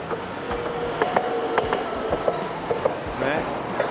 ねっ。